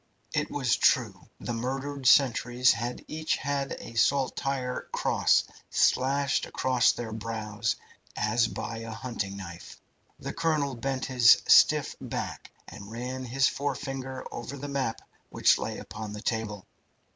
It was true. The murdered sentries had each had a saltire cross slashed across their brows, as by a hunting knife. The colonel bent his stiff back and ran his forefinger over the map which lay upon the table.